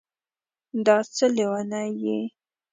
دا څه لېونی یې